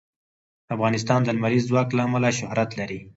افغانستان د لمریز ځواک له امله شهرت لري.